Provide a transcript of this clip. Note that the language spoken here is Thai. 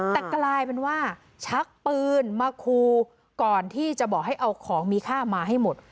แต่กลายเป็นว่าชักปืนมาคูก่อนที่จะบอกให้เอาของมีค่ามาให้หมด